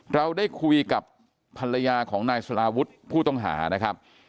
เราได้คุยกับภรรยาของนายสลาวุฒิผู้ต้องหานะครับ